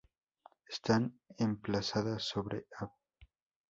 Están emplazada sobre Av.